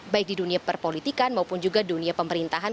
baik di dunia perpolitikan maupun juga dunia pemerintahan